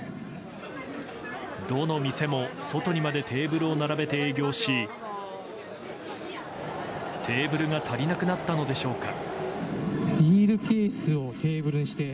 どの店も外にまでテーブルを並べて営業しテーブルが足りなくなったのでしょうか。